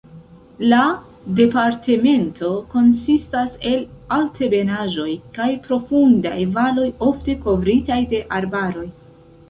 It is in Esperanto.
La departemento konsistas el altebenaĵoj kaj profundaj valoj ofte kovritaj de arbaroj.